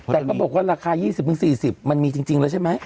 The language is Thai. แต่ก็บอกว่าราคา๒๐๔๐มันมีจริงแล้วใช่ไหม